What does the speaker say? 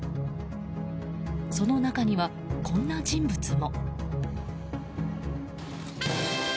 その中には、こんな人物も。